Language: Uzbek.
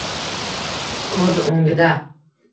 Ko'z o'ngida